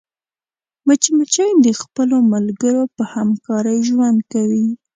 مچمچۍ د خپلو ملګرو په همکارۍ ژوند کوي